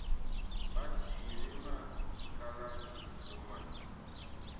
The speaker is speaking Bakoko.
Ɓa ciile ma kalati sɔman.